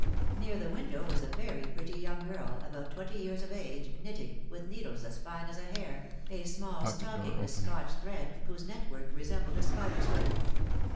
Near the window was a very pretty young girl, about twenty years of age, knitting, with needles as fine as a hair, a small stocking wdth Scotch thread, whose net work resembled a spider's web.